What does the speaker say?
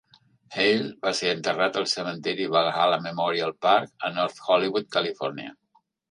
Hale va ser enterrat al cementiri Valhalla Memorial Park a North Hollywood, Califòrnia.